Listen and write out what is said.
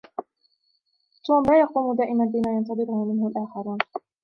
توم لا يقوم دائما بما ينتظره منه الآخرون.